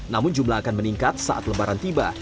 namun jumlah akan meningkat saat lebaran tiba